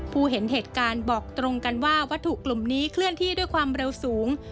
เห็นเหตุการณ์บอกตรงกันว่าวัตถุกลุ่มนี้เคลื่อนที่ด้วยความเร็วสูง